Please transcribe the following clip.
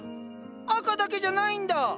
赤だけじゃないんだ！